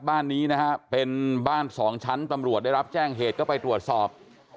บ้านนี้นะฮะเป็นบ้านสองชั้นตำรวจได้รับแจ้งเหตุก็ไปตรวจสอบ